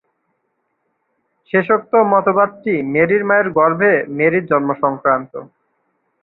শেষোক্ত মতবাদটি, মেরির মায়ের গর্ভে মেরির জন্ম-সংক্রান্ত।